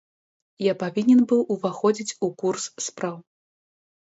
Я павінен быў уваходзіць у курс спраў.